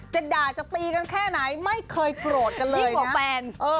จะด่าจะตีกันแค่ไหนไม่เคยโกรธกันเลยนะ